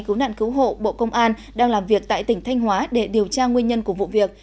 cứu nạn cứu hộ bộ công an đang làm việc tại tỉnh thanh hóa để điều tra nguyên nhân của vụ việc